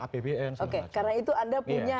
apbn oke karena itu anda punya